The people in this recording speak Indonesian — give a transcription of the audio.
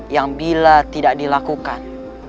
yang bila tidak dilakukan